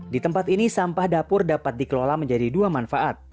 di tempat ini sampah dapur dapat dikelola menjadi dua manfaat